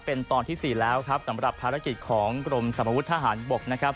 เป็นตอนที่สี่แล้วครับสำหรับภารกิจของกรมสมบัติฮาลบบนะครับ